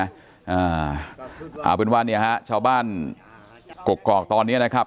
อ่าเอาเป็นว่าเนี่ยฮะชาวบ้านกกอกตอนนี้นะครับ